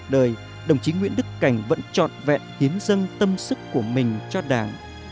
đồng chí nguyễn đức cảnh vẫn trọn vẹn hiến dâng tâm sức của mình cho đảng